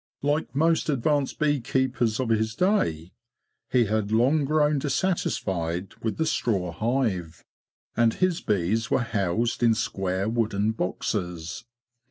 Like most advanced bee keepers 216 THE BEE MASTER OF WARRILOW of his day, he had long grown dissatisfied with the straw hive, and his bees were housed in square wooden boxes.